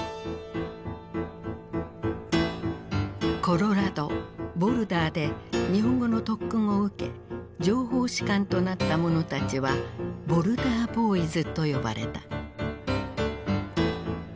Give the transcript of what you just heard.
コロラドボルダーで日本語の特訓を受け情報士官となった者たちは「ボルダー・ボーイズ」と呼ばれた。